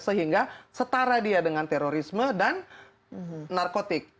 sehingga setara dia dengan terorisme dan narkotik